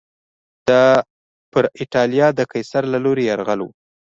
دا پر اېټالیا د قیصر له لوري یرغل و